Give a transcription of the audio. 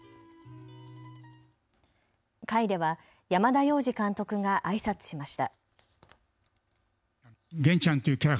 会では山田洋次監督があいさつしました。